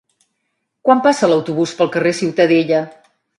Quan passa l'autobús pel carrer Ciutadella?